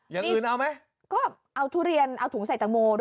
อย่างอื่นเอาไหมก็เอาทุเรียนเอาถุงใส่ตังโมด้วย